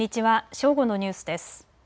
正午のニュースです。